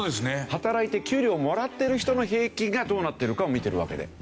働いて給料をもらっている人の平均がどうなってるかを見てるわけで。